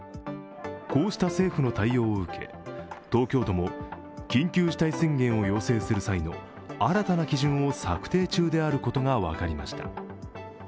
こうした政府の対応を受け、東京都も緊急事態宣言を要請する際の新たな基準を策定中であることが分かりました。